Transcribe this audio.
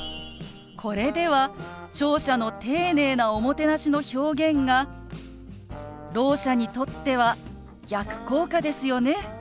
これでは聴者の丁寧なおもてなしの表現がろう者にとっては逆効果ですよね。